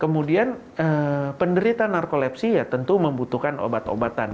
kemudian penderita narkolepsi ya tentu membutuhkan obat obatan